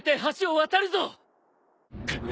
くっ。